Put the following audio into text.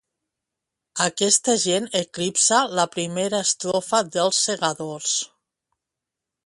Aquesta gent eclipsa la primera estrofa dels segadors.